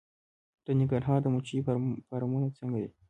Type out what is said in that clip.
د ننګرهار د مچیو فارمونه څنګه دي؟